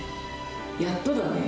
やっとだね。